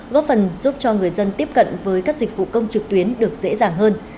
góp phần giúp cho người dân tiếp cận với các dịch vụ công trực tuyến được dễ dàng hơn